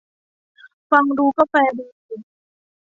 ฟังดูก็แฟร์ดี